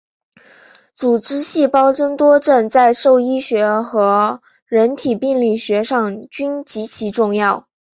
组织细胞增多症在兽医学和人体病理学上均极其重要。